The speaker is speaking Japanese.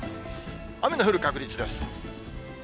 雨の降る確率です。